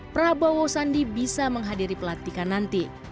prabowo sandi bisa menghadiri pelantikan nanti